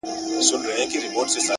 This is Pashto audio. د رڼا او سیوري حرکت د دیوال شکل بدلوي,